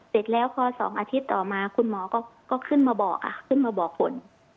เสร็จแล้วพอ๒อาทิตย์ต่อมาคุณหมอก็ขึ้นมาบอกขึ้นมาบอกผล